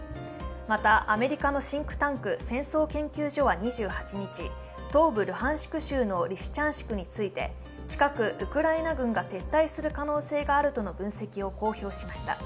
またアメリカのシンクタンク、戦争研究所は２８日、東部ルハンシク州のリシチャンシクについて近くウクライナ軍が撤退する可能性があるとの分析を公表しました。